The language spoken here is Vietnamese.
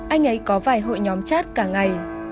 anh ấy có vài hội nhóm chat cả ngày